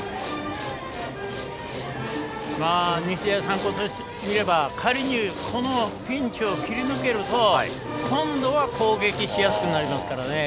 日大三高としてみれば仮にここでピンチを切り抜けると今度は攻撃しやすくなりますから。